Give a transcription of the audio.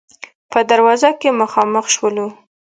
په دروازه کې مخامخ شولو.